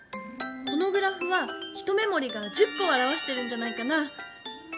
このグラフは一目もりが１０こをあらわしてるんじゃないかな？